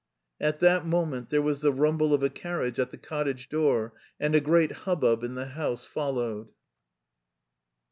At that moment there was the rumble of a carriage at the cottage door and a great hubbub in the house followed.